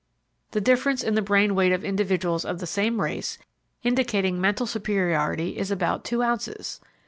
The difference in the brain weight of individuals of the same race, indicating mental superiority is about two ounces.